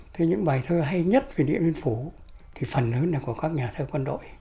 thế những bài thơ hay nhất về điện biên phủ thì phần lớn là của các nhà thơ quân đội